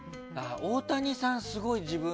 大谷さん、すごい自分。